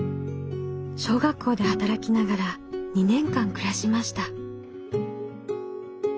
小学校で働きながら２年間暮らしました。